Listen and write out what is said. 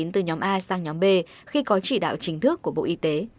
từ nhóm a sang nhóm b khi có chỉ đạo chính thức của bộ y tế